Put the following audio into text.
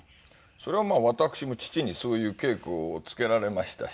それはまあ私も父にそういう稽古をつけられましたし。